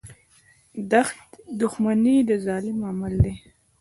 • دښمني د ظالم عمل دی.